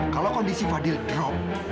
kalau kondisi fadil drop